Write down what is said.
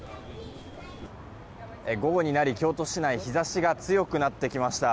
午後になり、京都市内日差しが強くなってきました。